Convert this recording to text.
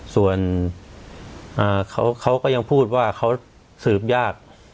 ส่วนเขาก็ยังพูดว่าเขาสืบยาก